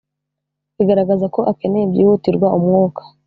bigaragaza ko akeneye byihutirwa umwuka